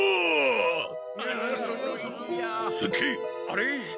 あれ？